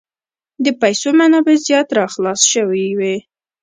د پیسو منابع زیات را خلاص شوي وې.